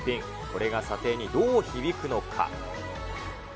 これが査定にどう響くのか。